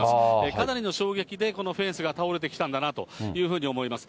かなりの衝撃でこのフェンスが倒れてきたんだなというふうに思います。